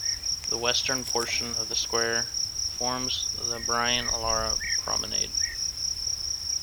The western portion of the Square forms the Brian Lara Promenade.